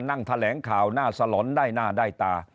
นั่งแถลงข่าวหน้าสลอนได้หน้าได้ตา